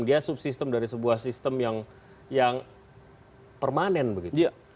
dia subsistem dari sebuah sistem yang permanen begitu